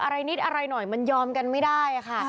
อะไรนิดอะไรหน่อยมันยอมกันไม่ได้ค่ะ